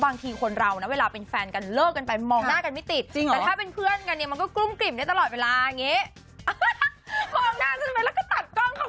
บางทีเขาอาจจะอย่างทีปสถานะให้เป็นคู่จิ้นแบบสบายใจมากกว่า